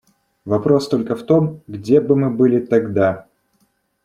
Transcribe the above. Вопрос только в том, где бы мы были тогда.